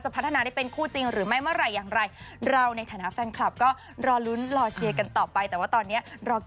พัฒนาได้เป็นคู่จริงหรือไม่เมื่อไหร่อย่างไร